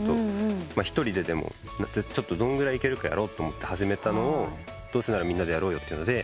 一人ででもどんぐらいいけるかやろうと始めたのをどうせならみんなでやろうよというので。